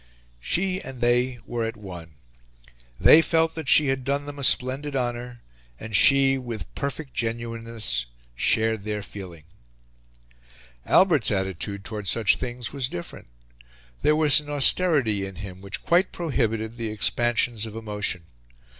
She and they were at one. They felt that she had done them a splendid honour, and she, with perfect genuineness, shared their feeling. Albert's attitude towards such things was different; there was an austerity in him which quite prohibited the expansions of emotion.